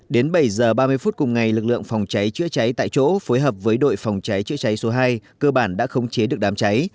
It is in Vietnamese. đến bảy h ba mươi phút cùng ngày lực lượng phòng cháy chữa cháy tại chỗ phối hợp với đội phòng cháy chữa cháy số hai cơ bản đã khống chế được đám cháy